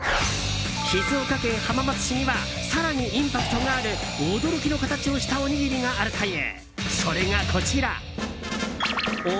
静岡県浜松市には更にインパクトがある驚きの形をしたおにぎりがあるという。